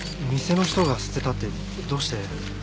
店の人が捨てたってどうして？